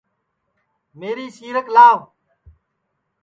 میری سیرک لاوَ